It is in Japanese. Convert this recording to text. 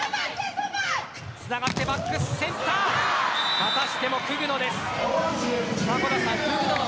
またしてもクグノです。